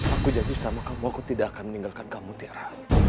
aku jadi sama kamu aku tidak akan meninggalkan kamu tiara